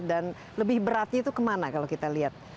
dan lebih beratnya itu kemana kalau kita lihat